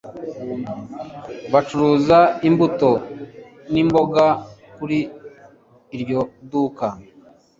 Bacuruza imbuto n'imboga kuri iryo duka.